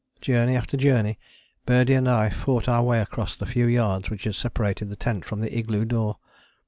Journey after journey Birdie and I fought our way across the few yards which had separated the tent from the igloo door.